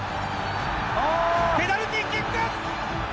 ペナルティーキック！